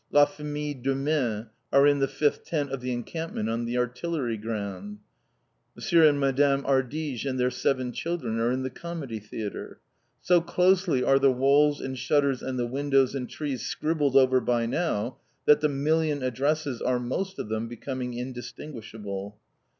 "La Famille Deminn are in the fifth tent of the encampment on the Artillery ground." "M. and Mme. Ardige and their seven children are in the Comedy Theatre." .... So closely are the walls and shutters and the windows and trees scribbled over by now that the million addresses are most of them becoming indistinguishable.